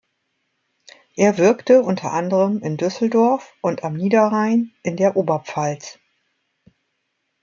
Er wirkte unter anderem in Düsseldorf und am Niederrhein, in der Oberpfalz.